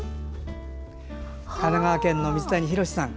神奈川県の水谷宏さん。